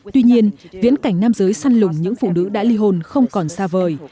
tuy nhiên viễn cảnh nam giới săn lùng những phụ nữ đã li hôn không còn xa vời